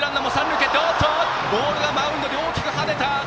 ボールがマウンドで大きく跳ねた！